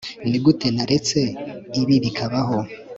nigute naretse ibi bikabaho